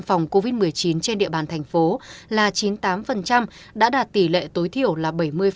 phòng covid một mươi chín trên địa bàn thành phố là chín mươi tám đã đạt tỷ lệ tối thiểu là bảy mươi